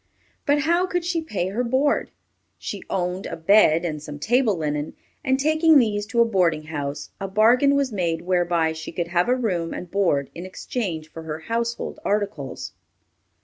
But how could she pay her board? She owned a, bed and some table linen, and taking these to a boarding house, a bargain was made whereby she could have a room and board in exchange for her household articles.